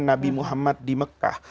nabi muhammad di mekah